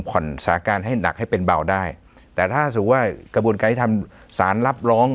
สถานการณ์ให้หนักให้เป็นเบาได้แต่ถ้าสมมุติว่ากระบวนการที่ทำสารรับร้อง